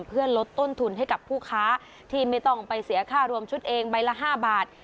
เพื่อลดต้นทุนให้กับผู้ค้าที่ไม่ต้องไปเสียค่ารวมชุดเองใบละ๕บาท